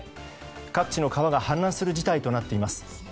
各地の川が氾濫する事態となっています。